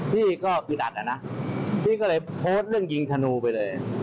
พี่ก็คือดัดอะนะพี่ก็เลยโพสต์เรื่องยิงธนูไปเลย